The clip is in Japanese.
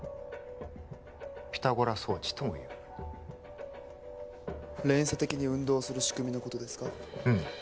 ピタゴラ装置ともいう連鎖的に運動する仕組みのことですか？